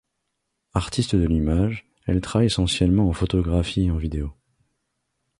Artiste de l’image, elle travaille essentiellement en photographie et en vidéo.